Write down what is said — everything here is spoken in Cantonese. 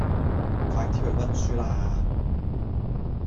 快啲去溫書啦